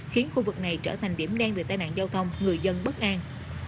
khiến khu vực này trở thành điểm đen về tai nạn giao thông người dân bất an